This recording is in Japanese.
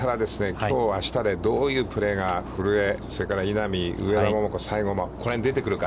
きょう、あしたでどういうプレーが古江、それから稲見、上田桃子、最後、出てくるか。